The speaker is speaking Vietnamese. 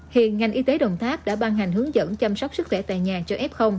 hiện ngành y tế đồng tháp đã ban hành hướng dẫn chăm sóc sức khỏe tại nhà cho f